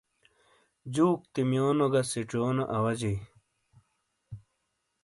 جُوک تِیمیونو گی سِیچیونو اواجیئ۔